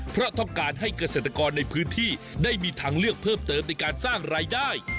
เพราะต้องการให้เกษตรกรในพื้นที่ได้มีทางเลือกเพิ่มเติมในการสร้างรายได้